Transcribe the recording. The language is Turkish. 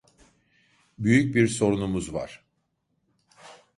Büyük bir sorunumuz var.